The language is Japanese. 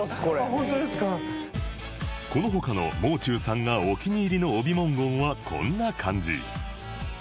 この他のもう中さんがお気に入りの帯文言はこんな感じ